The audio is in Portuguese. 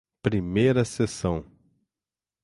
Primeira Seção